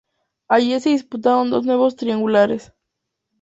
Allí se disputaron dos nuevos triangulares.